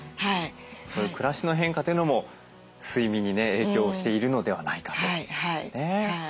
そういう暮らしの変化というのも睡眠にね影響をしているのではないかということですね。